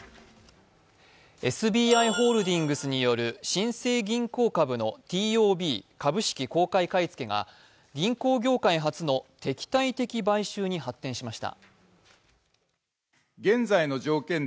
ＳＢＩホールディングスによる新生銀行株のＴＯＢ＝株式公開買い付けが銀行業界初の敵対的買収に発展しました。